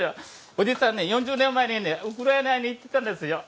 おじさんね４０年前にねウクライナに行ってたんですよ